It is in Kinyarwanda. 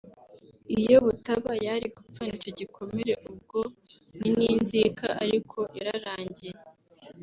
iyo butaba yari gupfana icyo gikomere ubwo ni n’inzika ariko yararangiye